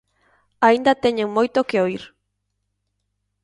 Aínda teñen moito que oír.